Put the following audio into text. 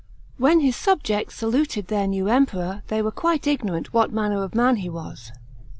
§ 4. When his subjects saluted their new Emperor, they were quite ignorant what manner of man he was.